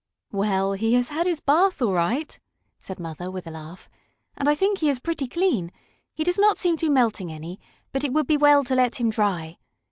"Well, he has had his bath all right," said Mother, with a laugh. "And I think he is pretty clean. He does not seem to be melting any, but it would be well to let him dry.